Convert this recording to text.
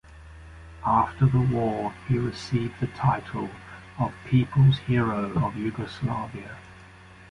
After the war he received the title of People's Hero of Yugoslavia.